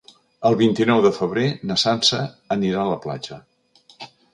El vint-i-nou de febrer na Sança anirà a la platja.